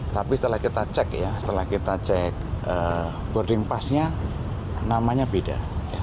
tapi setelah kita cek ya setelah kita cek boarding passnya namanya beda